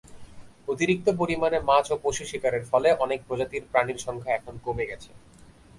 অতিরিক্ত পরিমাণে মাছ ও পশু শিকারের ফলে অনেক প্রজাতির প্রাণীর সংখ্যা এখন কমে গেছে।